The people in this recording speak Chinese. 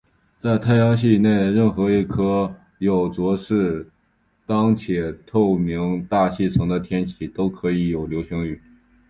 在太阳系内任何一颗有着适当且透明大气层的天体都可以有流星雨。